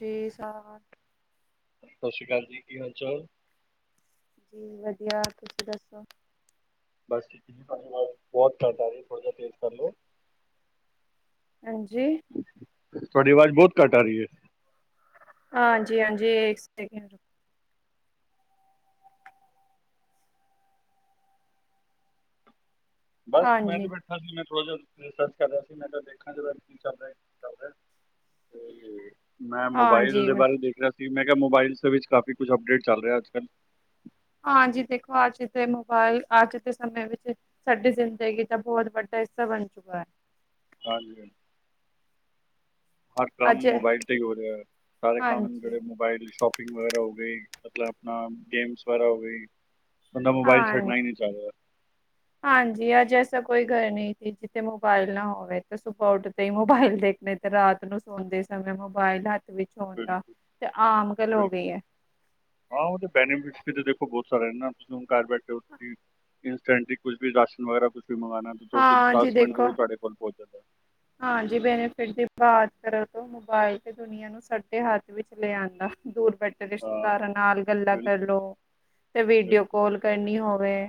ਦੇ ਸਾ ਸਤਿ ਸ਼੍ਰੀ ਅਕਾਲ ਜੀ ਕੀ ਹਾਲ ਚਾਲ ਜੀ ਵਧੀਆ ਤੁਸੀਂ ਦੱਸੋ ਬਸ ਠੀਕ ਤੁਹਾਡੀ ਅਵਾਜ ਬਹੁਤ ਘੱਟ ਆ ਰਹੀ ਥੋੜਾ ਜਿਹਾ ਤੇਜ਼ ਕਰ ਲੋ। ਹਾਂਜੀ। ਤੁਹਾਡੀ ਆਵਾਜ਼ ਬਹੁਤ ਘੱਟ ਆ ਰਹੀ ਹੈ। ਹਾਂਜੀ, ਹਾਂਜੀ ਏਕ ਸੈਕਿੰਡ ਬਸ ਮੈਂ ਤੇ ਹਾਂਜੀ ਬੈਠਾ ਸੀ ਮੈਂ [unintelligible] ਰਿਸਰਚ ਕਰ ਰਿਹਾ ਸੀ ਮੈਂ ਤਾਂ ਦੇਖਾਂ ਜ ਕੀ ਚੱਲ ਰਿਹਾ ਕੀ ਚੱਲ ਰਿਹਾ ਤੇ ਮੈਂ ਮੋਬਾਇਲ ਹਾਂਜੀ ਦੇ ਬਾਰੇ ਦੇਖ ਰਿਹਾ ਸੀ ਜ ਮੈਂ ਕਿਹਾ ਮੋਬਾਇਲਸ ਦੇ ਵਿੱਚ ਕਾਫੀ ਕੁਛ ਅਪਡੇਟ ਚੱਲ ਰਿਹਾ ਅੱਜ ਕੱਲ੍ਹ ਹਾਂਜੀ ਦੇਖੋ ਅੱਜ ਤੇ ਮੋਬਾਇਲ ਅੱਜ ਦੇ ਸਮੇ ਵਿੱਚ ਸਾਡੀ ਜ਼ਿੰਦਗੀ ਦਾ ਬਹੁਤ ਵੱਡਾ ਹਿੱਸਾ ਬਣ ਚੁੱਕਾ ਹੈ। ਹਾਂਜੀ, ਹਾਂਜੀ ਹਰ ਕੰਮ ਅੱਜ ਮੋਬਾਇਲ ਤੇ ਹੀ ਹੋ ਰਿਹਾ ਸਾਰੇ ਕੰਮ ਜਿਹੜੇ ਹਾਂਜੀ ਮੋਬਾਇਲ ਸ਼ੋਪ ਪਿਮਰ ਹੋ ਗਈ ਮਤਲਬ ਆਪਣਾ ਗੇਮਸ ਵਗੈਰਾ ਹੋ ਗਈ। ਬੰਦਾ ਮੋਬਾਈਲ ਹਾਂ ਛੱਡਣਾ ਹੀ ਨਹੀਂ ਚਾਹ ਰਿਹਾ ਹਾਂਜੀ ਆਜ ਏ ਸਗੋਂ ਕੋਈ ਗੱਲ ਨਹੀਂ ਕੀਤੀ ਜਿੱਥੇ ਮੋਬਾਇਲ ਨਾ ਹੋਵੇ ਤਾਂ ਸੁਬਾਹ ਉੱਠਦੇ ਹੀ ਮੋਬਾਇਲ ਦੇਖਣੇ ਤੇ ਰਾਤ ਨੂੰ ਸੌਦੇ ਸਮੇਂ ਮੋਬਾਇਲ ਹਾਥ ਵਿੱਚ ਹੋਣ ਦਾ ਬਿਲਕੁਲ ਤੇ ਆਮ ਗਲ ਹੋ ਬਿਲਕੁਲ ਗਈ ਹੈ। ਪਰ ਐਨਾ ਕੁਛ ਘਰ ਬੈਠੇ ਉਠ ਇੰਸਟੈਂਟਲੀ ਕੁਛ ਵੀ ਰਾਸ਼ਨ ਵਗੈਰਾ ਕੁਛ ਮੰਗਵਾਉਣਾ ਤੁਸੀਂ ਹਾਂ ਜੀ ਦਸ ਮਿੰਟ ਤੋਂ ਵੀ ਦੇਖੋ ਤੁਹਾਡੇ ਕੋਲ ਪਹੁੰਚ ਜਾਂਦਾ ਹੈ। ਹਾਂਜੀ ਬੈਨੀਫਿਟ ਦੀ ਬਾਤ ਕਰੋ ਤੋਂ ਮੋਬਾਇਲ ਤੇ ਦੁਨੀਆਂ ਨੂੰ ਸਾਡੇ ਹੱਥ ਵਿੱਚ ਲੈ ਆਦਾਂ ਦੂਰ ਵਡੇ ਹਾਂ ਰਿਸ਼ਤੇਦਾਰਾਂ ਨਾਲ ਗੱਲਾਂ ਬਿਲਕੁਲ ਕਰਲੋ, ਤੇ ਵੀਡੀਓ ਬਿਲਕੁਲ ਕਾਲ ਕਰਨੀ ਹੋਵੇ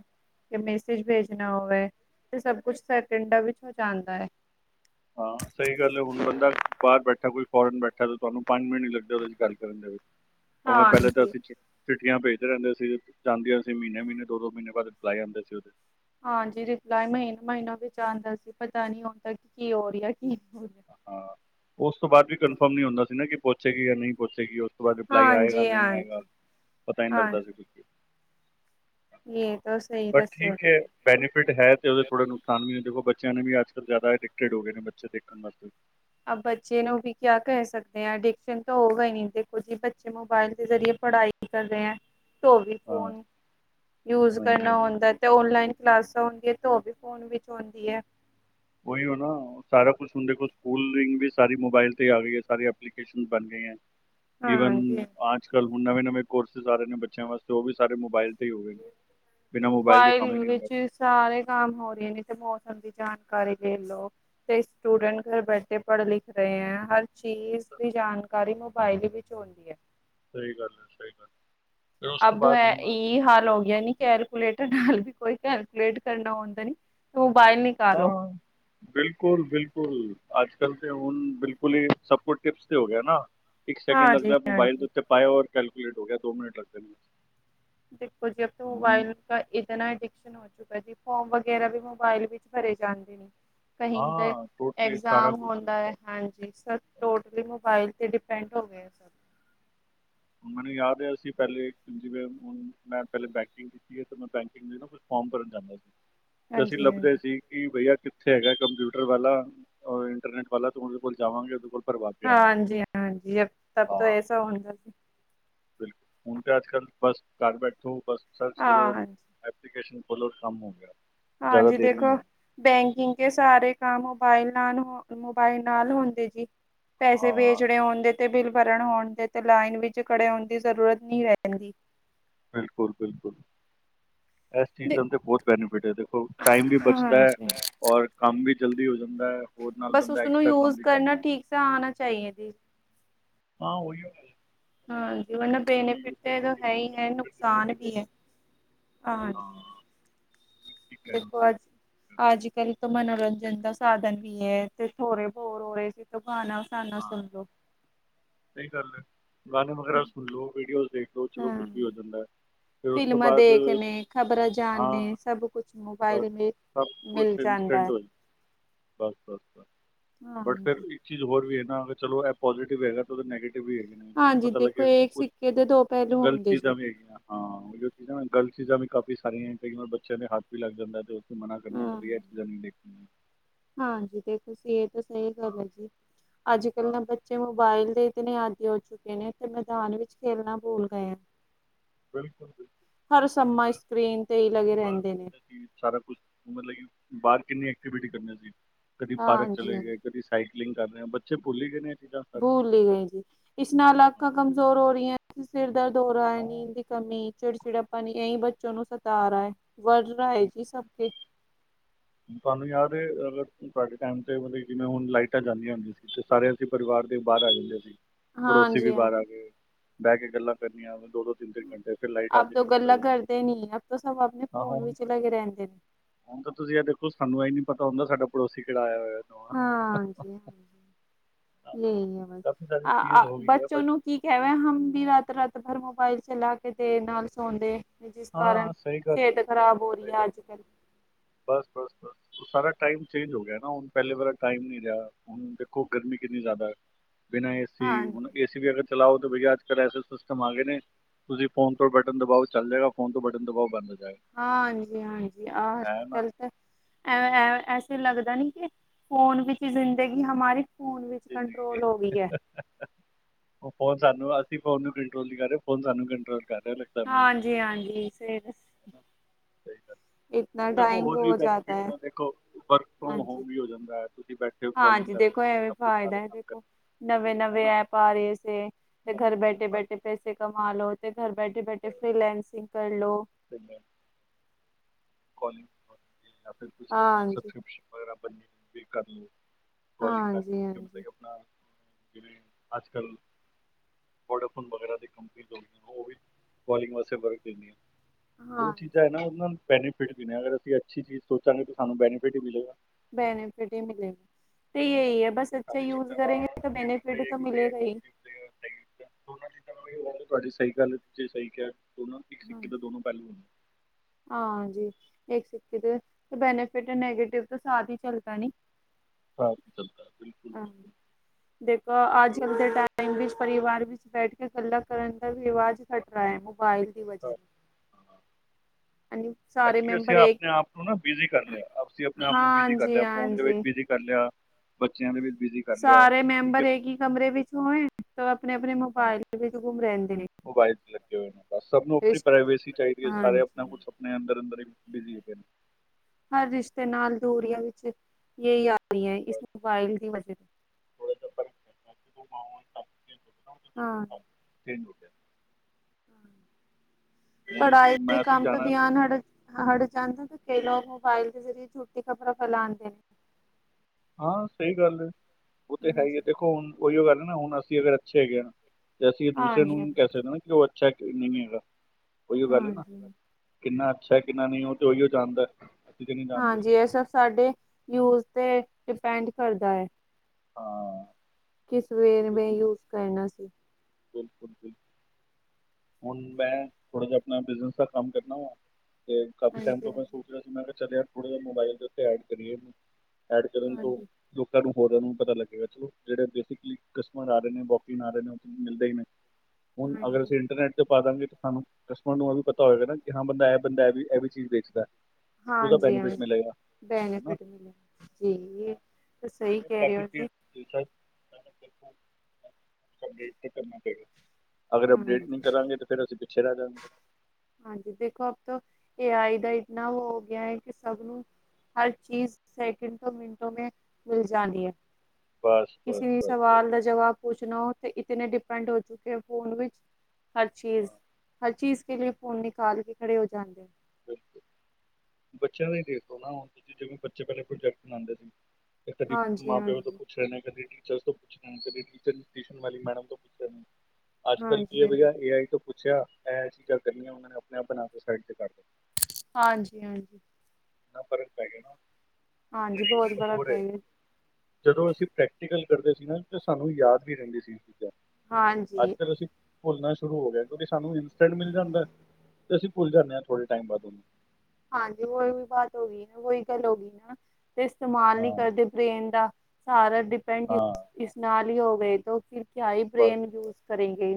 ਮੈਸੇਜ ਭੇਜਣਾ ਹੋਵੇ ਤੇ ਸਭ ਕੁਛ ਸੈਕਿੰਡਾਂ ਵਿੱਚ ਹੋ ਜਾਂਦਾ ਹੈ ਹਾਂ ਸਹੀ ਗੱਲ ਹੈ ਹੁਣ ਬੰਦਾ ਬਾਹਰ ਬੈਠਾ ਕੋਈ ਫੋਰਨ ਬੈਠਾ ਤੇ ਤੁਹਾਨੂੰ ਪੰਜ ਮਿੰਟ ਨੀ ਲੱਗਦੇ ਉਹਦੇ ਚ ਗੱਲ ਕਰਨ ਦੇ ਵਿੱਚ ਉਹਵੇੈਂ ਪਹਿਲੇ ਤਾਂ ਹਾਂਜੀ ਅਸੀ ਚਿ ਚਿੱਠੀਆਂ ਭੇਜਦੇ ਰਹਿੰਦੇ ਸੀ ਤੇ ਜਾਂਦੀਆਂ ਸੀ ਮਹੀਨੇ-ਮਹੀਨੇ ਦੋ-ਦੋ ਮਹੀਨੇ ਬਾਅਦ ਰਿਪਲਾਏ ਆਂਦੇ ਸੀ ਉਹਦੇ ਹਾਂਜੀ ਰਿਪਲਾਈ ਮਹੀਨ ਮਹੀਨੇ ਵਿੱਚ ਆਉਂਦਾ ਸੀ ਪਤਾ ਨੀ ਔਥੇ ਕੀ ਹੋ ਰਿਹੈ ਹਾਂ ਉਸ ਤੋਂ ਬਾਅਦ ਵੀ ਕਨਫਰਮ ਨੀ ਹੁੰਦਾ ਸੀ ਨਾ ਕਿ ਪਹੁੰਚੇਗੀ ਜਾਂ ਨਹੀਂ ਪਹੁੰਚੇਗੀ ਉਹ ਬਾਅਚ ਰਿਪਲਾਈ ਆਏਗਾ ਹਾਂਜੀ ਨਹੀਂ ਆਏਗਾ ਹਾਂਜੀ ਪਤਾ ਹੀ ਲੱਗਦਾ ਸੀ ਹਾਂਜੀ ਇਹ ਤਾਂ ਸਹੀ ਬਸ ਦੱਸਿਓ ਠੀਕ ਹੈ ਤੁਸੀਂ ਬੈਨੀਫਿਟ ਹੈ ਤੇ ਉਹਦੇ ਥੋੜੇ ਨੁਕਸਾਨ ਵੀ ਹੁੰਦੇ ਦੇਖੋ ਬ ਬੱਚਿਆਂ ਨੇ ਵੀ ਅਜ ਕੱਲ ਜ਼ਿਆਦਾ ਏਡਿਕਟਿਡ ਹੋ ਗਏ ਨੇ ਬੱਚੇ ਦੇਖਣ ਵਾ ਅ ਬੱਚੇ ਨੂੰ ਵੀ ਕਿਆ ਕਹਿ ਸਕਦੇ ਹੈ ਅਡਿਕਸ਼ਨ ਤਾਂ ਹੋਗਾ ਹੀ, ਨਹੀਂ ਦੇਖੋ ਜੀ ਬੱਚੇ ਮੋਬਾਇਲ ਦੇ ਜ਼ਰੀਏ ਪੜ੍ਹਾਈ ਕਰ ਰਹੇ ਹੈ ਤੋਂ ਵੀ ਹਾਂ ਫੋਨ ਹਾਂਜੀ ਹਾਂਜੀ ਕਲਾਸਾਂ ਹੁੰਦੀਆਂ ਤੋ ਵੀ ਫੋਨ ਵਿੱਚ ਆਉਂਦੀ ਹੈ ਉਹੀ ਹੋ ਨਾ ਸਾਰਾ ਕੁਛ ਉਹਦੇ ਕੋਲ ਸਕੂਲੀਂਗ ਵੀ ਸਾਰੀ ਮੋਬਾਇਲ ਤੇ ਆ ਗਈ ਹੈ ਸਾਰੀ ਐਪਲੀਕੇਸ਼ਨ ਬਣ ਗਈ ਏਂ ਇਵਨ ਹਾਂਜੀ। ਆਜ ਕੱਲ ਹੁਣ ਨਵੇਂ-ਨਵੇਂ ਕੋਰਸਿਸ ਆ ਰਹੇ ਨੇ ਬੱਚਿਆਂ ਵਾਸਤੇ ਉਹ ਵੀ ਸਾਰੇ ਮੋਬਾਇਲ ਤੇ ਹੀ ਹੋ ਗਏ ਨੇ ਤੇ ਬਿਨਾਂ ਮੋਬਾਈਲ ਦੇ ਮੋਬਾਇਲ ਕੰਮ ਹੀ ਨਹੀਂ ਹੁੰਦਾ ਵਿੱਚ ਸਾਰੇ ਕੰਮ ਹੋ ਰਹੇਆਂ ਨੇ ਤੇ ਮੌਸਮ ਦੀ ਜਾਣਕਾਰੀ ਦੇਖ ਲੋ ਤੇ ਸਟੂਡੈਂਟ ਘਰ ਬੈਠੇ ਪੜ੍ਹ ਲਿਖ ਰਹੇਂ ਹੈ ਹਰ ਚੀਜ਼ ਦੀ ਜਾਣਕਾਰੀ ਮੋਬਾਇਲ ਵਿੱਚ ਹੁਂਦੀ ਹੈ ਸਹੀ ਗੱਲ ਹੈ ਸਹੀ ਗੱਲ ਫਿਰ ਉਸ ਅਭ ਤੋਂ ਬਾਅਦ ਐ ਹੁਣ ਇ ਹਾਲ ਹੋ ਗਿਆ ਨੀ ਕੈਲਕੂਲੇਟ ਨਾਲ ਵੀ ਕੋਈ ਕੈਲਕੂਲੇਟ ਕਰਨਾ ਹੁੰਦਾਂ ਨੀ ਤੇ ਉਹ ਹਾਂ ਬਿਲਕੁਲ-ਬਿਲਕੁਲ ਅੱਜ ਕੱਲ ਤੇ ਹੁਣ ਬਿਲਕੁਲ ਹੀ ਸਭ ਕੁਛ ਟਿਪਸ ਤੇ ਹੋ ਗਿਆ ਨਾ ਇੱਕ ਸੈਕਿੰਡ ਹਾਂਜੀ ਲੱਗਦਾ ਮੋਬਾਇਲ ਦੇ -ਹਾਂਜੀ। ਉੱਤੇ ਪਾਏ ਔਰ ਕੈਲਕੂਲੇਟ ਹੋ ਗਿਆ ਦੋ ਮਿੰਟ ਲੱਗਦੇ ਨੇ ਦੇਖੋ ਜੀ ਅਬ ਤੋ ਹੁਣ ਮੋਬਾਈਲ ਇਤਨਾ ਐਡਿਕਸ਼ਨ ਹੋ ਚੁੱਕ ਫੋਰਮ ਵਗੈਰਾ ਵੀ ਮੋਬਾਇਲ ਵਿੱਚ ਭਰੇ ਜਾਂਦੇ ਨੇ ਕਹੀ ਤੇ ਹਾਂ, ਟੋਟਲੀ ਸਾਰਾ ਐਗਜ਼ਾਮ ਕੁਛ ਹੁੰਦਾ ਹੈ ਹਾਂਜੀ ਸਬ ਟੋਟਲੀ ਮੋਬਾਇਲ ਤੇ ਪੈਂਟ ਹੋ ਗਏ, ਹੁਣ ਮੈਨੂੰ ਯਾਦ ਹੈ ਅਸੀਂ ਪਹਿਲੇ ਜਿਵੇਂ ਹੁਣ ਮੈਂ ਪਹਿਲੇ ਬੈਂਕਿੰਗ ਕੀਤੀ ਹੈ ਅਤੇ ਮੈਂ ਬੈਂਕਿੰਗ ਦੀ ਨਾ ਕੁਛ ਫੋਰਮ ਭਰਨ ਜਾਂਦਾ ਸੀ। ਅਸੀਂ ਹਾਂਜੀ ਲੱਭਦੇ -ਹਾਂਜੀ, ਸੀ ਕਿ ਕਿੱਥੇ ਹੈਗਾ ਕੰਪਿਊਟਰ ਵਾਲਾ ਇੰਟਰਨੈਟ ਵਾਲਾ ਤੂੰ ਉਹਦੇ ਕੋਲ ਜਾਵਾਂਗੇ ਉਹਦੇ ਕੋਲ ਭਰਵਾ ਕੇ ਆਵਾਂਗੇ। ਹਾਂਜੀ ਹਾਂਜੀ ਤਬ ਤੋਂ ਐਸਾ ਹੁੰਦਾ ਸੀ। ਬਿਲਕੁਲ ਫੋਨ ਤੇੇ ਅੱਜ ਕੱਲ ਬਸ ਘਰ ਬੈਠ ਔ ਬਸ ਸਰਚ ਕਰੋ ਹਾਂ। ਐਪਲੀਕੇਸ਼ਨ, ਬਲ ਕੰਮ ਹੋ ਗਿਆ। ਹਾਂਜੀ ਦੇਖੋ ਬੈਂਕਿੰਗ ਕੇ ਸਾਰੇ ਕੰਮ, ਮੋਬਾਇਲ ਨਾਲ ਹੋ ਮੋਬਾਇਲ ਨਾਲ ਹੁੰਦੇ ਜੀ, ਪੈਸੇ ਹਾਂ, ਵੇਚਣੇ ਹੋਣ ਦੇ, ਤੇ ਬਿਲ ਭਰਨ ਹੋਣ ਦੇ ਤੇ ਲਾਈਨ ਵਿੱਚ ਖੜੇ ਹੋਣ ਦੀ ਜ਼ਰੂਰਤ ਨਹੀਂ ਰਹਿੰਦੀ। ਬਿਲਕੁਲ ਬਿਲਕੁਲ, ਇਸ ਦੇ- ਚੀਜ਼ਾਂ ਤੇ ਬਹੁਤ ਬੈਨੀਫਿਟ ਹੈ ਦੇਖੋ ਟਾਈਮ ਵੀ ਬਚਦਾ ਹੈ ਹਾਂਜੀ ਔਰ ਕੰਮ ਵੀ, ਜਲਦੀ ਹੋ ਜਾਵੇ। ਬਸ ਉਸਨੂੰ ਯੂਜ ਕਰਨਾ ਠੀਕ ਸ ਆਣਾ ਚਾਹੀਏ ਜੀ, ਹਾਂ ਉਹੀ ਗੱਲ, ਹਾਂਜੀ ਉਹ ਪਤਾ ਨਾ ਨਹੀਂ ਕਿਵੇਂ ਯੂਜ਼ ਬੇਨੀਫਿਟ ਤਾਂ ਕਰਨਾ, ਇਹ ਹੈ ਕਿਵੇਂ ਨਹੀਂ ਹੀ ਕਰਨਾ ਹੈ ਫਿਰ ਦਿੱਕਤ ਨੁਕਸਾਨ ਹੀ ਰਹੇਗੀ। ਵੀ ਹੈ ਹਾਂਜੀ। ਹਾਂ, ਠੀਕ ਕਹਿ ਰਹੇ ਹੋ ਦੇਖੋ ਅੱਜ ਤੁਸੀਂ। ਅੱਜ ਕੱਲ੍ਹ, ਤੋਂ ਮਨੋਰੰਜਨ ਦਾ ਸਾਧਨ ਵੀ ਹੈ, ਤੇ ਥੋੜਾ ਬੋਰ ਹੋ ਰਹੇ ਸੀ ਤੋਂ ਗਾਣਾ, ਨਾ ਹਾਂ, ਸੁਨ ਸਹੀ ਗੱਲ ਹੈ। ਗਾਣੇ ਵਗੈਰਾ ਸੁਣ ਲਓ ਵੀਡੀਓਜ਼ ਦੇਖ ਲਓ ਚਲੋ ਕੁਛ ਵੀ ਹੋ ਜਾਂਦਾ ਹੈ ਫਿਰ ਉਸ ਤੋਂ ਬਾਅਦ ਖ਼ਬਰਾਂ ਹਾਂ ਜਾਣਨੇ ਸਭ ਕੁਛ ਬਸ ਮੋਬਾਇਲ ਮੇ ਸਭ ਮਿਲ ਕੁਛ ਜਾਂਦਾ ਇੰਸਟੈਂਟ ਹੈ ਹੋਏ ਬਸ ਬਸ ਬਸ ਬਟ ਫਿਰ ਹਾਂਜੀ ਇੱਕ ਚੀਜ਼ ਹੋਰ ਵੀ ਹੈ। ਚਲੋ ਇਹ ਪੋਜ਼ਟਿਵ ਹੈਗਾ। ਨੈਗੇਟਿਵ ਵੀ ਹੈਗੇ ਨੇ ਹਾਂਜੀ ਪਤਾ ਦੇਖੋ ਲੱਗਿਆ ਇੱਕ ਕੁਛ ਸਿੱਕੇ ਦੇ ਦੋ ਪਹਿਲੂ ਗ਼ਲਤ ਹੁੰਦੇ ਜੀ ਚੀਜ਼ਾਂ ਵੀ ਹੈਗੀਆਂ ਹਾਂ ਜੋ ਚੀਜ਼ਾਂ ਗਲਤ ਚੀਜ਼ਾਂ ਵੀ ਕਾਫੀ, ਸਾਰੀਆਂ ਕਈ ਵਾਰ ਬੱਚਿਆਂ ਦੇ ਹੱਥ ਵੀ ਲੱਗ ਜਾਂਦਾ ਤੇ, ਮਨਾ ਕਰਨਾ ਕੇ ਹਾਂ ਇਹ ਚੀਜ਼ ਨਹੀਂ ਦੇਖ। ਹੂੰ, ਹਾਂਜੀ ਦੇਖੋ, ਸਹੀ ਗੱਲ ਹਾਂ ਹੈ ਜੀ ਅੱਜ ਕੱਲ ਹਾਂ ਨਾ ਬੱਚੇ ਮੋਬਾਇਲ ਦੇ, ਆਦੀ ਹੋ ਚੁੱਕੇ ਨੇ ਤੇ ਮੈਦਾਨ ਵਿੱਚ ਖੇਲਣਾ ਭੁਲ ਗਏ। ਬਿਲਕੁਲ ਹਰ ਸਮਾਂ ਬਿਲਕੁਲ ਸਕਰੀਨ ਤੇ ਹੀ ਲੱਗੇ ਰਹਿੰਦੇ ਨੇ ਸਾਰਾ ਕੁਛ ਮਤਲਬ ਕਿ ਬਾਅਦ, ਕਿੰਨੀ ਐਕਟੀਵਿਟੀ ਕਰਨੀ ਸੀ। ਕਦੀ ਪਾਰਕ ਹਾਂਜੀ ਚਲੇ ਹਾਂਜੀ ਗਏ ਕਦੀ ਸਾਈਕਲ, ਕਰਦੇ ਬੱਚੇ ਭੁੱਲ ਹੀ ਗਏ ਨੇ, ਚੀਜ਼ਾਂ ਸਾਰੀਆਂ ਭੁਲ ਲਈ ਗਈ ਜੀ ਇਸ ਨਾਲ ਹਾਂ ਅੱਖਾਂ ਕਮਜ਼ੋਰ ਹੋ ਰਹੀਆਂ ਸਿਰ ਧਰ ਦੋਰਾ ਹਾਂ ਨੀਦ ਦੀ ਕਮੀ, ਚਿੜ ਚਿੜ ਆਪਾਂ ਇਹੀ ਬੱਚੋ ਨੂੰ ਸਤਾਰਾ ਹੈ। ਵਰਰਾਏ ਜੀ ਬਿਲਕੁਲ ਸਖੇ, ਤੁਹਾਨੂੰ ਯਾਦ ਹੈ ਅਗਰ ਸਾਡੇ ਟਾਈਮ ਤੇ ਮਤਲਬ ਜਿਵੇਂ ਹੁਣ ਲਾਈਟਾਂ ਜਾਂਦੀਆਂ ਹੁੰਦੀਆਂ ਸੀ ਤੇ ਸਾਰੇ ਅਸੀਂ ਪਰਿਵਾਰ ਦੇ ਬਾਹਰ ਆ ਜਾਂਦੇ ਸੀ। ਪੜੋਸੀ ਵੀ ਹਾਂਜੀ ਹਾਂ। ਬਾਹਰ ਆ ਗਏ। ਬਹਿ ਕੇ ਗੱਲਾਂ ਕਰਨੀਆਂ ਆ ਵ ਦੋ ਦੋ ਤਿੰਨ ਤਿੰਨ ਘੰਟੇ ਫਿਰ ਲਾਈਟ ਆਪ ਤੋਂ ਗੱਲਾਂ ਕਰਦੇ ਨੀ ਆਪ ਤੋਂ ਸਭ ਆਪਣੇ ਹਾਂ ਫੋਨ ਹੁਣ ਵਿੱਚ ਲਗੇ ਰਹਿੰਦੇ ਨੇ, ਨੂੰ ਇਹ ਨਹੀਂ ਹੁੰਦਾ ਸਾਡਾ ਪੜੋਸੀ ਕਿਹੜਾ ਆਇਆ ਹੋਇਆ। ਨਵਾਂ ਹਾਂ, ਹਾਂਜੀ-ਹਾਂਜੀ, ਇਹੀ ਹੈ ਬਸ ਕਾਫੀ ਸਾਰੀ ਅ ਚੀਜ਼ ਹੋ ਗਈ ਹੈ ਬੱਚੋ ਬਟ ਨੂੰ ਕੀ ਕਹਿਵੇ ਹਮ ਦੀ ਰਾਤ-ਰਾਤ, ਫਿਰ ਮੋਬਾਇਲ ਚਲਾ ਕੇ ਦੇ ਨਾਲ ਸੌਂਦੇ, ਜਿਸ ਕਾਰਨ ਹਾਂ ਸਹੀ ਗੱਲ ਸਿਹਤ ਖ਼ਰਾਬ ਹੋ ਰਹੀ ਸਹੀ ਹੈ ਗੱਲ ਅੱਜ ਕੱਲ ਬਸ-ਬਸ-ਬਸ, ਉਹ ਸਾਰਾ, ਟਾਈਮ ਚੇਂਜ ਹੋ ਗਿਆ ਨਾ ਹੁਣ ਪਹਿਲੇ ਵਾਰ ਟਾਈਮ ਨਹੀਂ ਰਿਹਾ ਹੁਣ ਦੇਖੋ, ਗਰਮੀ ਕਿੰਨੀ ਜ਼ਿਆਦਾ ਬਿਨਾਂ ਏ ਸੀ ਹਾਂ ਮਤਲਬ ਏਸੀ ਵੀ, ਚਲਾਓ, ਤੇ ਭਈਆ ਅੱਜ ਕੱਲ ਐਸੇ ਸਿਸਟਮ ਆ ਗਏ ਨੇ ਤੁਸੀਂ ਫੋਨ ਕੋਲ ਬਟਨ ਦਬਾਓ ਚੱਲ ਜਾਗਾ। ਫੋਨ ਤੋਂ ਬਟਨ ਦਬਾਓ ਬੰਦਾ, ਹਾਂਜੀ ਹਾਂਜੀ ਆਜ ਹੈ ਨਾ ਕੱਲ ਤਾਂ, ਲੱਗਦਾ ਨੀ ਕਿ ਫੋਨ ਵਿੱਚ ਜ਼ਿੰਦਗੀ ਹਮਾਰੀ, ਫੋਨ ਵਿਚ ਜ਼ਿੰਦਗੀ ਕੰਟਰੋਲ ਹੋ ਗਈ ਹੈ। ਉਹ ਫੋਨ ਸਾਨੂੰ ਅਸੀਂ ਫੋਨ ਨੂੰ ਕੰਟਰੋਲ ਨੀ ਕਰ ਰਹੇ ਫੋਨ ਸਾਨੂੰ ਕੰਟਰੋਲ ਕਰ ਹਾਂਜੀ ਹਾਂਜੀ, [unintelligible] ਹੂੰ, ਸਹੀ ਗੱਲ ਦੇਖੋ ਹੋਰ ਵੀ ਬੈਨੀਫਿਟ ਦੇਖੋ ਵਰਕ ਫਰੋਮ ਹਾਂਜੀ ਹੋਮ ਵੀ ਹੋ ਜਾਂਦਾ ਹੈ। ਤੁਸੀਂ ਬੈਠੇ ਹੋ ਕਾਲਿੰਗ ਹਾਂਜੀ ਕਰ ਰਹੇ ਦੇਖੋ ਹੋ ਐਵੇਂ ਸਭ ਕੁਝ ਫਾਇਦਾ ਸਾਰੇ ਹੈ ਕੰਮ ਦੇਖੋ ਕਰਨੇ ਨਵੇਂ ਹੈ ਨਵੇਂ ਨਾ ਐਪ ਆ ਰਹੇ ਸੀ, ਤੇ ਨਵੀਂ ਘਰ ਨਵੀਂ ਬੈਠੇ ਆਪਾਂ ਬੈਠੇ ਪੈਸੇ ਕਮਾ ਲੋ ਤੇ ਘਰ ਬੈਠੇ ਬੈਠੇ ਫ੍ਰੀਲੈਂਨਸਿੰਗ, ਹੈਲੋ, ਕੋਲਿੰ ਜਾਂ ਫਿਰ ਕੁਛ ਆਪਣੀ ਹਾਂਜੀ ਸਬਸਕ੍ਰਿਪਸ਼ਨ ਵਗੈਰਾ, ਵੀ ਕਰੀਏ, ਕੋਲਿੰਗ ਕਰਕੇ ਹਾਂਜੀ ਤੁਸੀਂ ਮਤਲਬ ਹਾਂਜੀ ਕਿ ਆਪਣਾ ਜਿਵੇਂ ਅੱਜ ਕੱਲ੍ਹ ਵੋਡਾਫੋਨ ਵਗੈਰਾ ਦੀ ਕੰਪਨੀ ਲੇਦੇ ਆਂ ਉਹ ਵੀ ਕੋਲਿੰਗ ਵਾਸਤੇ ਵਰਕ ਦਿੰਦੀਆਂ। ਉਹ ਠੀਕ ਹੈ ਹਾਂਜੀ ਨਾ ਉਹਨਾ, ਬੈਨੀਫਿਟ ਵੀ ਨੇ ਅਗਰ ਅਸੀ ਅਛੀ ਚੀਜ਼ ਸੋਚਾਂਗੇ ਤਾਂ ਸਾਨੂੰ ਬੈਨੀਫਿਟ ਹੀ ਮਿਲੇਗਾ। ਬੈਨੀਫਿਟ ਹੀ ਮਿਲੇਗੀ। ਤੇ ਇਹੀ ਹੈ ਬਸ ਅੱਛਾ ਸਾਰੀ ਯੂਜ ਚੀਜ਼ਾਂ ਦਾ ਕਰੇਗੇ ਤਾਂ ਅਸੀਂ ਅਗਰ ਬੈਨੀਫਿਟ ਕਹੀਏ ਤਾਂ ਕਿ ਬਈ ਮਿਲੇਗਾ ਹੀ, ਰ ਤੁਹਾਡੀ ਸਹੀ ਗੱਲ ਜੇ ਸਹੀ ਕਿਹਾ। ਦੋਨੋ ਇੱਕ ਸਿੱਕੇ ਦਾ ਦੋਨੋ ਪਹਿਲੂ ਹੁੰ ਹਾਂਜੀ ਇੱਕ ਸਿੱਕੇ ਤੇ ਬੈਨ ਫਿਟ ਨੈਗੇਟਿਵ ਤਾਂ ਸਾਥ ਹੀ ਚੱਲਦਾ ਨੀ, ਸਾਥ ਹੀ ਚੱਲਦਾ ਬਿਲਕੁਲ ਬਿਲਕੁਲ ਦੇਖੋ ਪਰ ਅੱਜ ਉਹ ਕੱਲ ਦੇ ਟਾਈਮ ਵੀ, ਪਰਿਵਾਰ ਵਿੱਚ ਬੈਠ ਕੇ ਇਕੱਲਾ ਕਰਨ ਦਾ ਵੀ ਰਿਵਾਜ਼ ਘੱਟ ਰਿਹਾ ਹੈ ਨਾ, ਮੋਬਾਈਲ ਦੀ ਵਜ੍ਹਾ ਸਾਰੇ ਐਕਚਲੀ ਅਸੀਂ ਆਪਣੇ ਆਪ ਨੂੰ ਨਾ ਬਿਜੀ ਕਰ ਲਿਆ, ਅਸੀਂ ਆਪਣੇ ਆਪ ਨੂੰ ਬਿਜੀ ਕਰ ਹਾਂਜੀ ਲਿਆ ਫੋਨ ਦੇ ਵਿੱਚ ਹਾਂਜੀ ਬਿਜੀ ਕਰ ਲਿਆ। ਬੱਚਿਆਂ ਦੇ ਵਿੱਚ, ਬਿਜ਼ੀ ਕਰ ਲਿਆ ਸਾਰੇ ਠੀਕ ਮੈਂਬਰ ਹੈ ਨਾ ਇੱਕ ਹੀ ਕਮਰੇ ਵਿੱਚ ਹੋਏ ਤੇ ਆਪਣੇ-ਆਪਣੇ ਹਾਂ ਮੋਬਾਇਲ ਵਿੱਚ ਘੁੰਮ ਰਹਿੰਦੇ। ਨੇ ਮੋਬਾਈਲ ਚ ਲੱਗੇ ਹੋਏ ਨੇ ਵੀ ਸਭ ਨੂੰ ਆਪਣੀ ਰਿਸ਼ ਪ੍ਰਾਈਵੇਸੀ ਚਾਹੀਦੀ ਹੈ ਸਾਰੇ ਆਪਣਾ ਹਾਂਜੀ ਕੁਛ ਆਪਣੇ ਅੰਦਰ ਅੰਦਰ ਹੀ। ਬੀਜ਼ੀ ਹੈਗੇ ਹਨ ਹਰ ਰਿਸ਼ਤੇ ਨਾਲ ਦੂਰੀਆਂ ਵਿੱਚ ਇਹੀ ਆ ਰਹੀਆਂ ਇਸ ਬਸ ਮੋਬਾਇਲ ਦੀ ਵਜ੍ਹਾ ਤੇ ਥੋੜਾ ਜਿਹਾ ਫਰਕ ਹੈ ਜਦੋਂ ਮਾਹੌਲ ਹਾਂ, ਤਿੰਨ ਰੁਪਿਆ ਹਾਂ, ਪੜ੍ਹਾਈ ਉਹ ਦੇ ਮੈਂ ਅਸੀਂ ਕੰਮ ਤੋਂ ਜਾਣਾ ਸੀ ਧਿਆਨ ਹੜ ਜਾਂਦਾ ਕਈ ਲੋਕ ਮੋਬਾਇਲ ਦੇ ਜ਼ਰੀਏ ਛੂਟੀ ਖ਼ਬਰਾਂ ਫੈਲਦੇ ਨੇ, ਹਾਂ ਸਹੀ ਗੱਲ ਹੈ ਉਹ ਤਾਂ ਹੈ ਹੀ ਹੈ ਦੇਖੋ ਹੁਣ ਉਹੀਓ ਗੱਲ, ਨਾ ਹੁਣ ਅਸੀਂ ਅਗਰ ਅੱਛੇ ਹੈਗੇ ਨਾ, ਅਸੀਂ ਇਹ ਦੂਸਰੇ ਹਾਂਜੀ ਨੂੰ ਕਹਿ ਸਕਦੇ ਨਾ ਕਿ ਉਹ ਚੈੱਕ ਨੂੰ ਨੀ ਹੈਗਾ। ਉਹੀਓ ਗੱਲ ਨਾ ਹਾਂਜੀ ਕਿੰਨਾ, ਅੱਛਾ ਕਿੰਨਾ ਨਹੀਂ ਉਹ ਤੇ ਉਹੀਓ ਜਾਣਦਾ। ਅਸੀਂ ਤੇ ਨਹੀਂ ਜਾਣਦੇ ਹਾਂਜੀ ਇਹ ਸਭ ਸਾਡੇ ਯੂਜ ਤੇ, ਡਿਪੈਂਡ ਕਰਦਾ ਹੈ। ਹਾਂ, ਕਿਸ ਵੇਲੇ ਉਹੀਓ ਮੈਂ ਚੀਜ਼ ਯੂਜ ਕਰਨਾ ਸੀ। ਬਿਲਕੁਲ ਬਿਲਕੁਲ, ਹੁਣ ਮੈਂ ਥੋੜਾ ਜਿਹਾ ਆਪਣਾ ਬਿਜਨਸ ਦਾ ਕੰਮ ਕਰਨਾ ਵਾ ਤੇ ਕਾਫੀ ਟਾਈਮ ਹਾਂਜੀ ਤੋਂ ਮੈਂ ਸੋਚ ਰਿਹਾ ਸੀ ਮੈਂ ਕਿਹਾ ਥੋੜਾ ਜਿਹਾ ਮੋਬਾਈਲ ਦੇ ਉੱਤੇ ਐਡ ਕਰੀਏਨੂੰ ਐਡ ਕਰ ਤੋਂ ਹਾਂਜੀ ਲੋਕਾਂ ਨੂੰ ਹੋਰ ਨੂੰ ਪਤਾ ਲੱਗੇਗਾ ਚਲੋ ਜਿਹੜੇ ਬੇਸਿਕਲੀ ਕਸਮਰ ਆ ਰਹੇ ਨੇ ਵੋਕਿੰਗ ਆ ਰਹੇ ਨੇ ਮਿਲਦਾ ਹੀ ਮੈਂ ਹੁਣ ਅਗਰ ਹਾਂਜੀ ਅਸੀਂ ਇੰਟਰਨੈੱਟ ਤੇ ਪਾ ਦਾਂਗੇ ਸਾਨੂੰ ਕਸਟਮਰ ਨੂੰ ਇਹ ਵੀ ਪਤਾ ਹੋਏਗਾ ਨਾ ਕਿ ਹਾਂ ਬੰਦਾ ਇਹ ਬੰਦਾ ਇਹ ਵੀ ਇਹ ਵੀ ਚੀਜ਼ ਵੇਚਦਾ ਹੈ ਤੇ ਉਹਦਾ ਹਾਂਜੀ ਬੈਨੀਫਿਟ ਹਾਂਜੀ ਮਿਲੇਗਾ ਪਹ ਹੈ ਨਾ ਬੈਫਿਟ ਮ ਹਾਂ ਸਹੀ ਕਹਿ ਰਹੇ ਹੋ ਜੀ। [inaudible] ਗ। [inaudible] ਅਗਰ ਅਪਡੇਟ ਨਹੀਂ ਹਾਂਜੀ ਕਰਾਂਗੇ ਤੇ ਫੇਰ ਅਸੀਂ ਛੜ ਜਾ। [unintelligible] ਹਾਂਜੀ ਦੇਖੋ ਅਬ ਤੋਂ ਏ ਆਈ ਦਾ ਇਤਨਾ ਹੋ ਗਿਆ ਹੈ ਕਿ ਸਭ ਨੂੰ ਹਰ ਚੀਜ਼ ਸੈਕਿੰਡ ਤੋਂ ਮਿੰਟੋ ਮ ਮਿਲ ਜਾਂਦੀ ਹੈ। ਬਸ ਬਸ ਕਿਸੇ ਵੀ ਬਸ ਬਸ ਸਵਾਲ ਦਾ ਜਵਾਬ ਪੁੱਛਣਾ ਹੋ ਇਤਨੇ ਡਿਪੈਂਡ ਹੋ ਚੁੱਕੇ ਆ ਫੋਨ ਵਿੱਚ ਹਰ ਚੀਜ਼ ਹਾਂ ਹਰ ਚੀਜ਼ ਕਿ ਫੋਨ ਨਿਕਾਲ ਕੇ ਖੜੇ ਹੋ ਜਾਂਦੇ ਆ। ਅੱਛਾ। ਬੱਚਿਆਂ ਦਾ ਦੇਖੋ ਨਾ ਹੁਣ ਤੁਸੀਂ ਜਿਵੇਂ ਬੱਚੇ ਪਹਿਲੇ ਪ੍ਰੋਜੈਕਟ ਬਣਾਉਂਦੇ ਸੀ ਕਦੀ ਹਾਂਜੀ ਮਾਂ ਪਿਓ ਤਾਂ ਹਾਂਜੀ ਪੁੱਛਿਆ ਨਾ ਕਦੇ ਤੋਂ ਪੁੱਛ ਕਦੇ ਟਿਊਸ਼ਨ ਵਾਲੀ ਮੈਡਮ ਤੋਂ ਪੁੱਛ ਅੱਜ ਕੱਲ ਕੀ ਹੈ ਹਾਂਜੀ ਭਈਆ ਏ ਆਈ ਤੋਂ ਪੁੱਛਿਆ ਇਹ ਚੀਜ਼ਾਂ ਕਰਨੀਆਂ ਉਹਨਾਂ ਨੇ ਆਪਣੇ ਆਪ ਬਣਾ ਕੇ ਸਾਈਡ ਤੇ ਕਰ ਦਿ ਹਾਂਜੀ ਹਾਂਜੀ। ਨਾ ਫਰਕ ਪੈ ਗਿਆ ਨਾ। ਹਾਂਜੀ ਇਹ ਬਹੁਤ ਗੱਲ ਬੜਾ ਹੋਰ ਹੈ ਪੈ ਗਿਆ। ਜਦੋਂ ਅਸੀਂ ਪ੍ਰੈਕਟੀਕਲ ਕਰਦੇ ਸੀ ਨਾ ਤੇ ਸਾਨੂੰ ਯਾਦ ਵੀ ਰਹਿੰਦੇ ਸੀ ਅੱਜ ਹਾਂਜੀ। ਕੱਲ੍ਹ ਅਸੀਂ ਭੁੱਲਣਾ ਸ਼ੁਰੂ ਹੋ ਗਿਆ ਕਿਉਂਕਿ ਸਾਨੂੰ ਇੰਸਟੈਂਟ ਮਿਲ ਜਾਂਦਾ ਤੇ ਅਸੀਂ ਭੁੱਲ ਜਾਂਦੇ ਹਾਂ ਥੋੜੇ ਟਾਈਮ ਬਾਅਦ ਉਹਨੂੰ। ਹਾਂਜੀ ਉਹੀ ਵੀ ਬਾਤ ਹੋ ਗਈ ਨਾ ਉਹੀ ਗੱਲ ਹੋ ਗਈ ਨਾ ਤੇ ਇਸਤੇਮਾਲ ਨਹੀਂ ਹਾਂ ਕਰਦੇ ਬ੍ਰੇਨ ਦਾ ਸਾਰਾ ਡਿਪੈਂਡ ਇਸ ਨਾਲ ਹੀ ਹੋ। ਨਹੀਂ ਫਿਰ ਕ ਆਈ ਬ੍ਰੇਨ ਯੂਸ ਕਰੇਗੇ।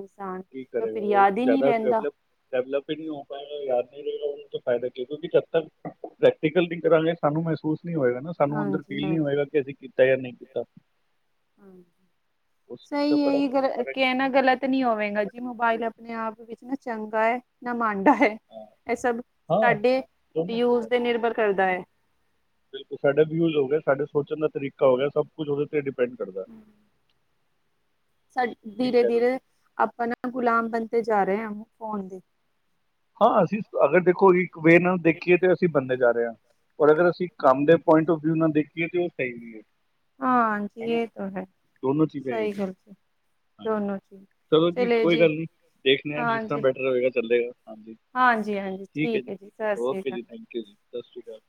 ਕੀ ਕਰੇਗਾ ਉਹ ਜ਼ਿਆਦਾ ਡਵਲਪ ਡੈਵਲਪ ਹੀ ਨਹੀਂ ਹੋ ਪਾਏਗਾ ਯਾਰ ਰਹੇ ਉਹਨੂੰ ਤਾਂ ਫਾਇਦਾ ਕੀ ਤੁਸੀਂ ਜਦ ਤੱਕ ਪ੍ਰੈਕਟੀਕਲ ਨਹੀਂ ਕਰਾਂਗੇ ਸਾਨੂੰ ਮਹਿਸੂਸ ਨਹੀਂ ਹੋਏਗਾ ਨਾ ਸਾਨੂੰ ਅੰਦਰ ਹਾਂਜੀ ਫੀਲ ਨ ਹਾਂਜੀ ਹੋਏਗਾ ਕਿ ਅਸੀਂ ਕੀਤਾ ਜਾਂ ਨਹੀਂ [inaudible] [inaudible] ਉਸ ਚੀਜ਼ ਦਾ ਸਹੀ ਬੜਾ ਇਹੀ ਗ ਫਰਕ ਹੈ ਕਹਿਣਾ ਗ਼ਲਤ ਨੀ ਹੋਵੇਗਾ ਜੀ ਬਟ ਮੋਬਾਇਲ ਆਪਣੇ ਆਪ ਵਿੱਚ ਨਾ ਚੰਗਾ ਹੈ ਨਾ ਮਨ ਹੈ ਹਾਂ ਇਹ ਸਭ ਹਾਂ ਸਾਡੇ ਦੋਨੋਂ ਯੂਜ ਚੀਜ਼ਾਂ ਤੇ ਨਿਰਭਰ ਕਰਦਾ ਹੈ ਬਿਲਕੁਲ ਸਾਡੇ ਵਿਊਜ਼ ਹੋ ਗਿਆ ਸਾਡੇ ਸੋਚਣ ਦਾ ਤਰੀਕਾ ਹੋ ਗਿਆ ਸਭ ਕੁੱਝ ਉਹਦੇ ਤੇ [inaudible] ਸਾ ਠੀਕ ਧੀਰੇ ਕਹਿ ਰਹੇ ਹੋ ਧੀਰੇ ਆਪਾਂ ਨਾ ਗੁਲਾਮ ਬ ਜਾ ਰਹੇ ਆ ਫੋਨ ਦੀ ਹਾਂ ਅਸੀਂ ਅਗਰ ਦੇਖੋ ਜੀ ਵੇ ਨਾਲ ਦੇਖੀਏ ਤੇ ਅਸੀਂ ਬੰਦੇ ਜਾ ਰ ਅਗਰ ਅਸੀਂ ਕੰਮ ਦੇ ਪੁਆਇੰਟ ਫ ਵਿਊ ਨਾਲ ਦੇਖੀਏ ਤੇ ਉਹ ਸਹੀ ਵੀ ਹੈ ਹਾਂਜੀ ਹਨਾ ਇਹ ਤਾਂ ਹੈ ਦੋਨੋ ਚੀਜ਼ਾਂ ਸਹੀ ਹੈਗੀਆਂ ਗੱਲ ਜੀ ਹਾਂਜੀ ਦੋਨੋ ਚੀਜ਼ ਚਲੋ ਜੀ ਚਲੇ ਕੋਈ ਗੱਲ ਨਹੀਂੀ ਦੇਖ ਲ ਹਾਂ ਜਿਸ ਤਰ੍ਹਾਂ ਹਾਂਜੀ ਬੈਟਰ ਹੋਵੇਗਾ ਚੱਲੇਗਾ ਹਾਂਜੀ ਹਾਂਜੀ ਹਾਂਜੀ ਠੀਕ ਹੈ ਜੀ ਸਤਿ ਸ੍ਰੀ ਓਕੇ ਅਕਾਲ ਜੀ ਥੈਂਕ ਯੂ ਸਤਿ ਸ੍ਰੀ ਅਕਾਲ